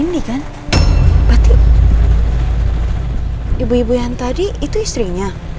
berarti kan berarti ibu ibu yang tadi itu istrinya